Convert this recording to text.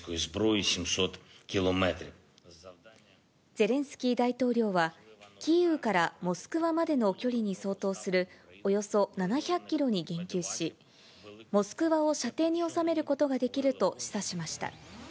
ゼレンスキー大統領は、キーウからモスクワまでの距離に相当するおよそ７００キロに言及し、モスクワを射程に収めることができると示唆しました。